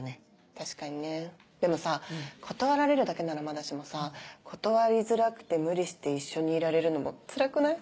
確かにねでもさ断られるだけならまだしもさ断りづらくて無理して一緒にいられるのもつらくない？